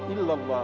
zwei tangga adalah